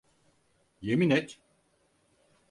Yemin et.